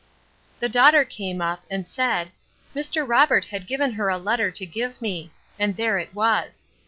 The daughter came up, and said, Mr. Robert had given her a letter to give me; and there it was.